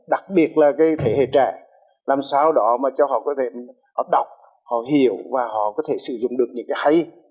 đặc biệt là cái thế hệ trẻ làm sao đó mà cho họ có thể đọc họ hiểu và họ có thể sử dụng được những cái hay